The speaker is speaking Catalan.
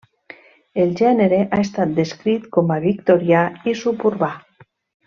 El gènere ha estat descrit com a 'victorià i suburbà'.